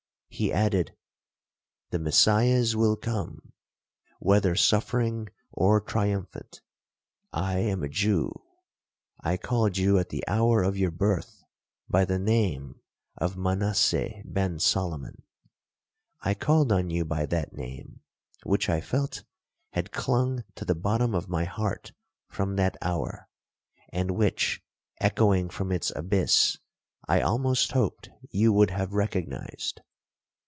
He added, 'The Messias will come, whether suffering or triumphant.1 I am a Jew. I called you at the hour of your birth by the name of Manasseh ben Solomon. I called on you by that name, which I felt had clung to the bottom of my heart from that hour, and which, echoing from its abyss, I almost hoped you would have recognized.